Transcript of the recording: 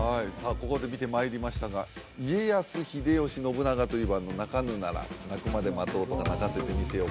ここで見てまいりましたが家康秀吉信長といえば「鳴かぬなら鳴くまで待とう」とか「鳴かせてみせよう」